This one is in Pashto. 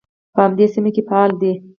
په همدې سیمه کې فعال دی.